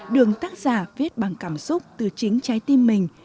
đường tác giả viết bằng cảm xúc từ chính trái tim mình